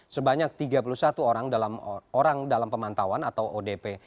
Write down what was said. sebanyak tiga puluh satu orang dalam pemantauan atau odp